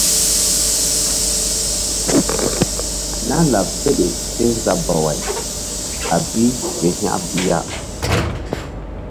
Nah láɓ seɗe kézabaway a bi ke hȩk bi ya.